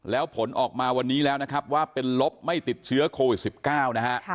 แล้วผลออกมาวันนี้แล้วนะครับว่าเป็นลบไม่ติดเชื้อโควิด๑๙นะฮะ